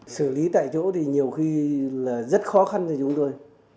xử lý tại chỗ thì nhiều khi là rất khó khăn cho chúng tôi